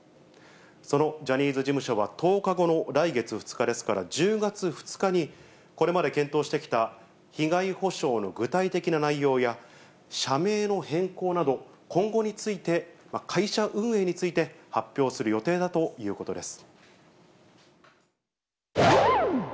そのジャニーズ事務所は、１０日後の来月２日ですから、１０月２日に、これまで検討してきた、被害補償の具体的な内容や社名の変更など、今後について、会社運営について、発表する予定だということです。